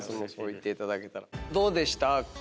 どうでした？